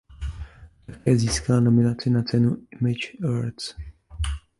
Také získala nominaci na cenu Image Awards.